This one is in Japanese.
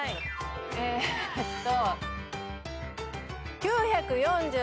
えっと。